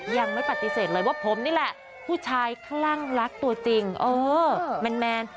ยังไม่ปฏิเสธเลยว่าผมนี่แหละผู้ชายคลั่งรักตัวจริงเออแมน